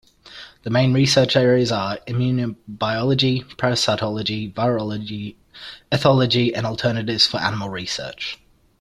The main research areas are Immunobiology, Parasitology, Virology, Ethology and Alternatives for Animal Research.